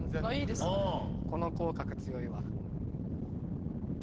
この口角強いわ。